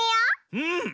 うん！